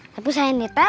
tapi saya ini teh